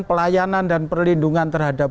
pelayanan dan perlindungan terhadap